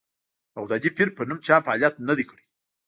بغدادي پیر په نوم چا فعالیت نه دی کړی.